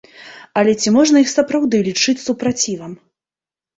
Але ці можна іх сапраўды лічыць супрацівам?